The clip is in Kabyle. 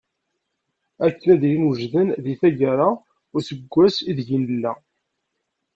Akken ad ilin wejden deg taggara n useggas ideg nella.